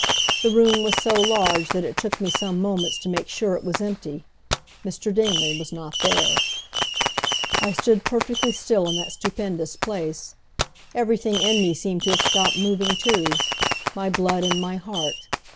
The room was so large that it took me some moments to make sure it was empty. Mr. Dingley was not there. I stood perfectly still in that stupendous place. Everything in me seemed to have stopped moving, too my blood and my heart.